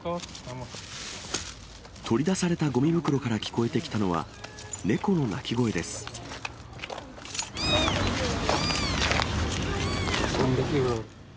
取り出されたごみ袋から聞こえてきたのは、猫の鳴き声です。